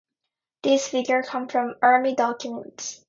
These figures come from army documents.